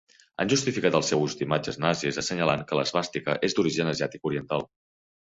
Han justificat el seu ús d'imatges nazis assenyalant que l'esvàstica és d'origen asiàtic oriental.